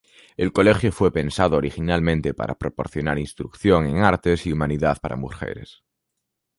El Colegio fue pensado originalmente para proporcionar instrucción en artes y humanidades para mujeres.